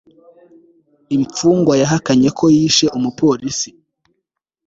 Imfungwa yahakanye ko yishe umupolisi